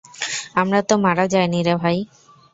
আমরা তো মারা যাইনিরে ভাই!